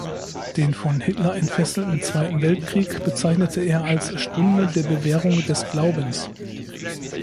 Den von Hitler entfesselten Zweiten Weltkrieg bezeichnete er als „Stunde der Bewährung des Glaubens“.